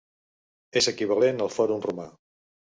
És equivalent al fòrum romà.